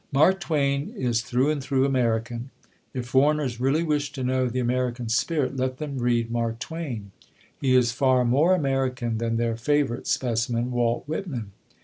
Mark Twain is through and through American. If foreigners really wish to know the American spirit, let them read Mark Twain. He is far more American than their favourite specimen, Walt Whitman.